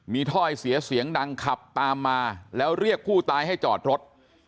มีถ้อยเสียเสียงดังขับตามมาแล้วเรียกผู้ตายให้จอดรถ